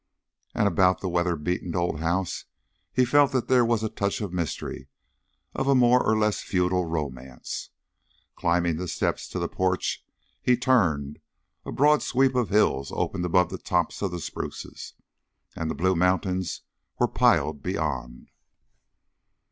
And about the weather beaten old house he felt that there was a touch of mystery of a more or less feudal romance. Climbing the steps to the porch he turned; a broad sweep of hills opened above the tops of the spruces, and the blue mountains were piled beyond.